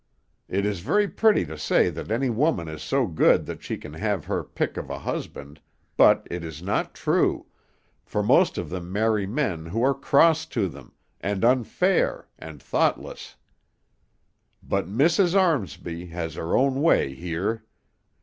It is very pretty to say that any woman is so good that she can have her pick of a husband, but it is not true, for most of them marry men who are cross to them, and unfair, and thoughtless; but Mrs. Armsby has her own way here.